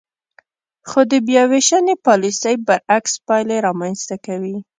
خو د بیاوېشنې پالیسۍ برعکس پایلې رامنځ ته کوي.